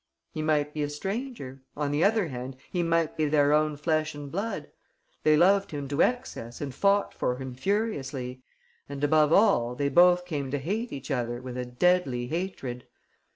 He might be a stranger; on the other hand, he might be their own flesh and blood. They loved him to excess and fought for him furiously. And, above all, they both came to hate each other with a deadly hatred.